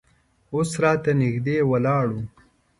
اوس راته نږدې ولاړ و.